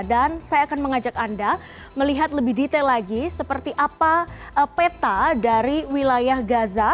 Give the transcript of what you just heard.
dan saya akan mengajak anda melihat lebih detail lagi seperti apa peta dari wilayah gaza